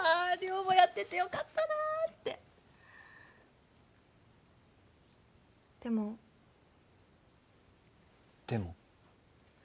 寮母やっててよかったなあってでもでも？